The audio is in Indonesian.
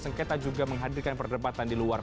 sengketa juga menghadirkan perdebatan di luar